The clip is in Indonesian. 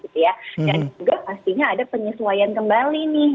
dan juga pastinya ada penyesuaian kembali nih